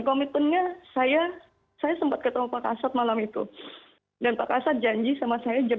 komitmennya saya sempat ketemu pak asad malam itu dan pak asad janji sama saya jam delapan